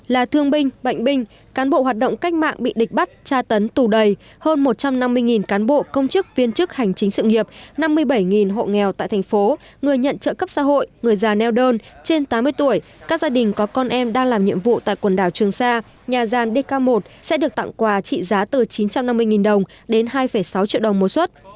là thương binh bệnh binh cán bộ hoạt động cách mạng bị địch bắt tra tấn tù đầy hơn một trăm năm mươi cán bộ công chức viên chức hành chính sự nghiệp năm mươi bảy hộ nghèo tại thành phố người nhận trợ cấp xã hội người già neo đơn trên tám mươi tuổi các gia đình có con em đang làm nhiệm vụ tại quần đảo trường sa nhà gian dk một sẽ được tặng quà trị giá từ chín trăm năm mươi đồng đến hai sáu triệu đồng một suất